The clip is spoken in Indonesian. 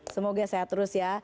semoga sehat terus ya